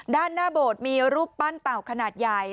ด้านหน้าโบสถ์มีรูปปั้นเต่าขนาดใหญ่